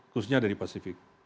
khususnya dari pasifik